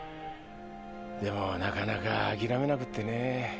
でもなかなか諦めなくってね。